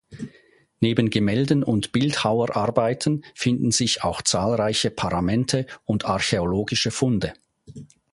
Neben Gemälden und Bildhauerarbeiten finden sich auch zahlreiche Paramente und archäologische Funde.